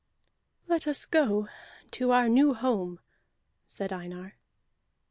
"Let us go to our new home," said Einar.